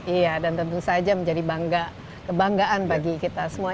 iya dan tentu saja menjadi kebanggaan bagi kita semua